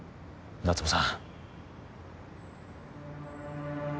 夏梅さん